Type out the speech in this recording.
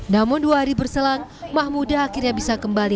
namun dua hari berselang mahmuda akhirnya bisa kembali